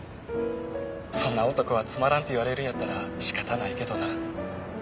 そんな男はつまらんと言われるんやったら仕方ないけどな。